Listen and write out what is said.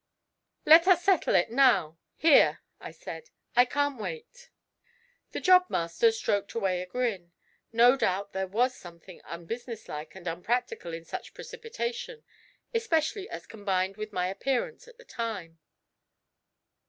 'Let us settle it now here,' I said, 'I can't wait.' The job master stroked away a grin. No doubt there was something unbusinesslike and unpractical in such precipitation, especially as combined with my appearance at the time.